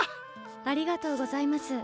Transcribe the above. ありがとうございます。